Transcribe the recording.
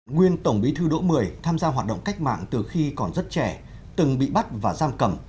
nguyên tổng bí thư đỗ mười tham gia hoạt động cách mạng từ khi còn rất trẻ từng bị bắt và giam cầm